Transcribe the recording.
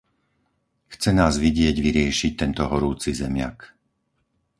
Chce nás vidieť vyriešiť tento horúci zemiak.